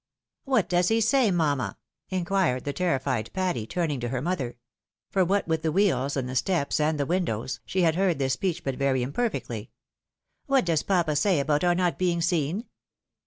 " What does he say, mamma ?" inquired the terrified Patty, turning to her mother ; for what with the wheels, and the steps, and the windows, she had heard this speech but very imperfectly. "What does papa say about our not being seen